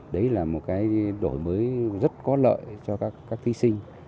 đấy là một cái đổi mới rất có lợi cho các thí sinh